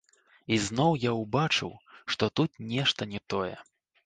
І зноў я ўбачыў, што тут нешта не тое.